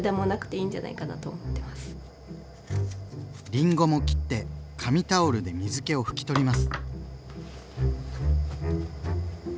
りんごも切って紙タオルで水けを拭き取ります。